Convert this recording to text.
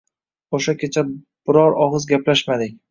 O‘sha kecha biror og‘iz gaplashmadik